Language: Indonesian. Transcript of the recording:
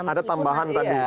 ada tambahan tadi